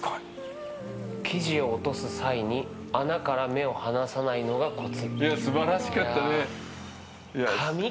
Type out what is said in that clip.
生地を落とす際に穴から目を離さないのがコツ。